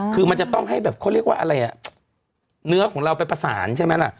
คือมันจะต้องให้แบบเขาเรียกว่าอะไรอ่ะเนื้อของเราไปประสานใช่ไหมล่ะ